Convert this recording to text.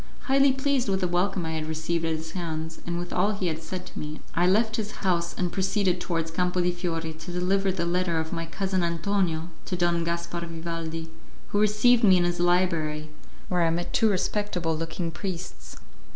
Highly pleased with the welcome I had received at his hands, and with all he had said to me, I left his house and proceeded towards Campo di Fiore to deliver the letter of my cousin Antonio to Don Gaspar Vivaldi, who received me in his library, where I met two respectable looking priests.